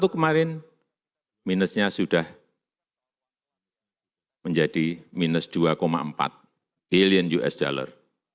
dua ribu dua puluh satu kemarin minusnya sudah menjadi minus dua empat billion us dollar